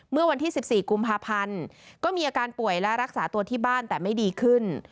เมื่อวันที่๑๔กุมภาพันธ์ก็มีอาการป่วยและรักษาตัวที่บ้านแต่ไม่ดีขึ้น